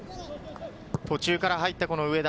途中から入った植田。